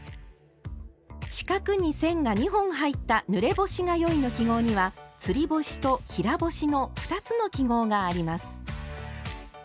四角に線が２本入った「ぬれ干しがよい」の記号には「つり干し」と「平干し」の２つの記号があります。